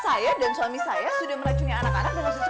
iya dong saya udah rugi kasih buit ke tukang susu itu